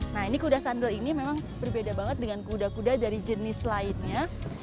nah ini kuda sandal ini memang berbeda banget dengan kuda kuda dari jenis lainnya